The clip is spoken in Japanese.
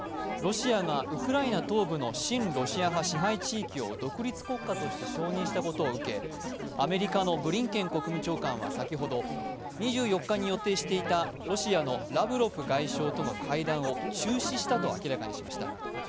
ロシアがウクライナ東部の親ロシア派地域を独立国家として承認したことを受け、アメリカのブリンケン国務長官は先ほど、２４日に予定していたロシアのラブロフ外相との会談を中止したと明らかにしました。